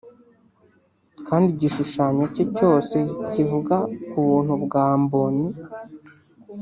kandi igishushanyo cye cyose kivuga kubuntu bwa bonny.